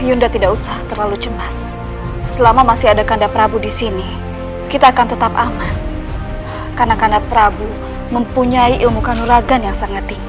hai yunda tidak usah terlalu cemas selama masih ada kanda prabu disini kita akan tetap aman karena kanda prabu mempunyai ilmu kanuragan yang sangat tinggi